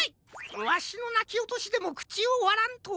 わしのなきおとしでもくちをわらんとは。